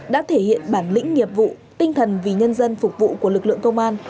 đã thể hiện bản lĩnh nghiệp vụ tinh thần vì nhân dân phục vụ của lực lượng công an